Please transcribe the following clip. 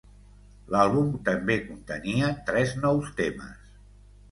L'àlbum també contenia tres nous temes.